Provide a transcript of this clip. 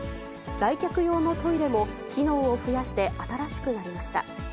来客用のトイレも、機能を増やして新しくなりました。